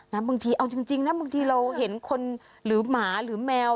บางทีเอาจริงนะบางทีเราเห็นคนหรือหมาหรือแมว